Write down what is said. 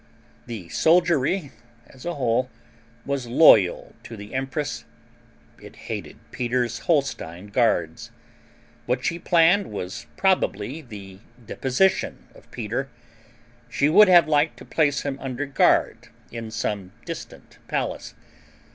The soldiery, as a whole, was loyal to the empress. It hated Peter's Holstein guards. What she planned was probably the deposition of Peter. She would have liked to place him under guard in some distant palace.